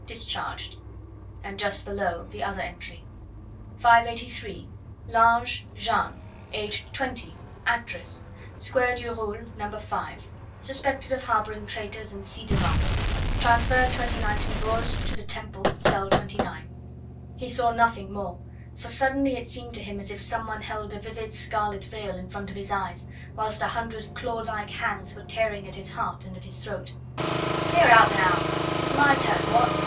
Discharged. And just below, the other entry: 583. Lange, Jeanne, aged twenty, actress. Square du Roule No.5. Suspected of harbouring traitors and ci devants. Transferred 29th Nivose to the Temple, cell 29. He saw nothing more, for suddenly it seemed to him as if some one held a vivid scarlet veil in front of his eyes, whilst a hundred claw like hands were tearing at his heart and at his throat. "Clear out now! it is my turn what?